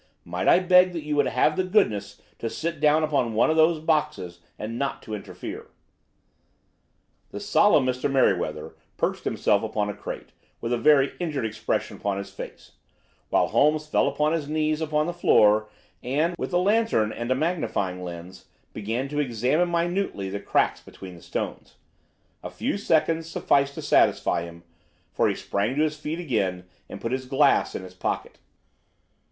Might I beg that you would have the goodness to sit down upon one of those boxes, and not to interfere?" The solemn Mr. Merryweather perched himself upon a crate, with a very injured expression upon his face, while Holmes fell upon his knees upon the floor and, with the lantern and a magnifying lens, began to examine minutely the cracks between the stones. A few seconds sufficed to satisfy him, for he sprang to his feet again and put his glass in his pocket.